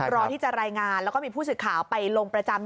รอที่จะรายงานแล้วก็มีผู้สื่อข่าวไปลงประจำอยู่